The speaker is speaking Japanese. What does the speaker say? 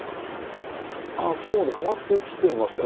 そうか、変わってきてますか。